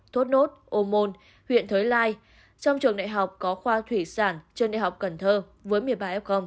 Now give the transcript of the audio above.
thốt nốt ô môn huyện thới lai trong trường đại học có khoa thủy sản trường đại học cần thơ với một mươi ba f